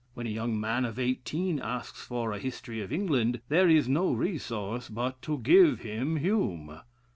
When a young man of eighteen asks for a 'History of England,' there is no resource but to give him Hume."